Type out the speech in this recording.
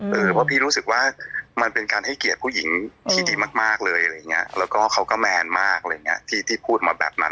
เพราะพี่รู้สึกว่ามันเป็นการให้เกียรติผู้หญิงที่ดีมากแล้วก็เขาก็แมนมากที่พูดมาแบบนั้น